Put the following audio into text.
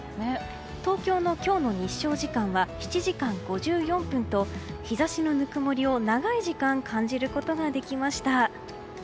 東京の今日の日照時間は７時間５４分と日差しのぬくもりを長い時間感じることができました。